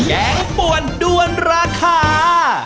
แกงปวนด้วนราคา